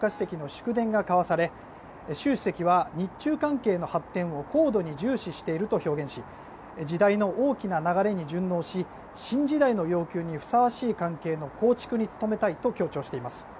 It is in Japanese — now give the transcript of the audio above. また、先ほど岸田総理と習近平国家主席の祝電が交わされ習主席は日中関係の発展を高度に重視していると発言し時代の大きな流れに順応し新時代の要求にふさわしい関係の構築に努めたいと強調しています。